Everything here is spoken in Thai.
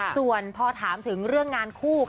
ส่วนพอถามถึงเรื่องงานคู่